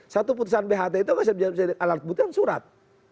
satu putusan bht itu bisa jadi alat kebutuhan surat